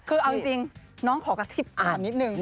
คือเอาจริงน้องขอกระซิบถามนิดนึง